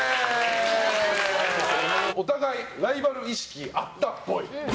お互いライバル意識あったっぽい。